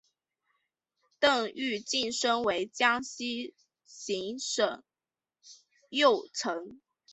邓愈晋升为江西行省右丞。